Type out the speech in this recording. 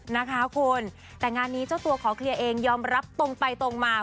นะคะคุณแต่งานนี้เจ้าตัวขอเคลียร์เองยอมรับตรงไปตรงมา